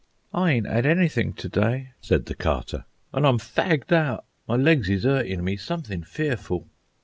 "I ain't 'ad anything to day," said the Carter. "An' I'm fagged out. My legs is hurtin' me something fearful."